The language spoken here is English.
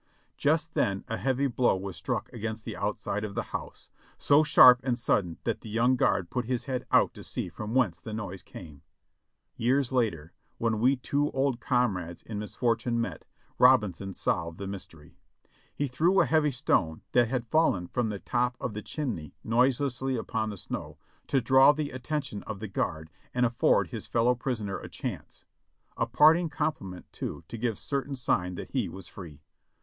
Just then a heavy blow was struck against the outside of the house, so sharp and sudden that the young guard put his head out to see from whence the noise came. Years later, when we two old comrades in misfortune met, Robinson solved the mys tery; he threw a heavy stone, that had fallen from the top of the chimney noiselessly upon the snow, to draw the attention of the guard and afford his fellow prisoner a chance ; a parting compli ment, too, to give certain sign that he was free.